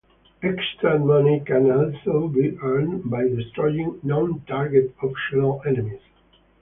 Extra money can also be earned by destroying "non-target", optional enemies.